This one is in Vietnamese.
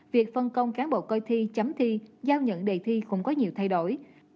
việc phân công cán bộ coi thi chấm thi giao nhận đề thi cũng có nhiều thay đổi